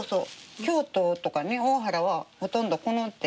京都とか大原はほとんどこの手。